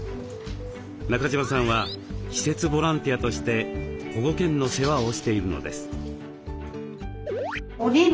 中島さんは「施設ボランティア」として保護犬の世話をしているのです。